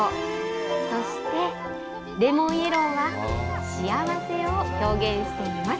そして、レモンイエローは、幸せを表現しています。